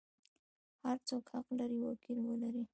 هر څوک حق لري وکیل ولري.